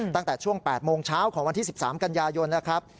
ตั้งแต่ช่วง๘โมงเช้าของวันที่๑๓กันยายนนะครับ